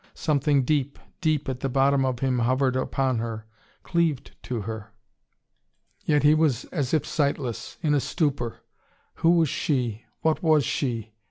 Something deep, deep at the bottom of him hovered upon her, cleaved to her. Yet he was as if sightless, in a stupor. Who was she, what was she?